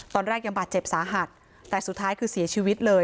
ตอนแรกยังบาดเจ็บสาหัสแต่สุดท้ายคือเสียชีวิตเลย